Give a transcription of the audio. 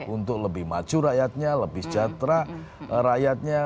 untuk lebih maju rakyatnya lebih sejahtera rakyatnya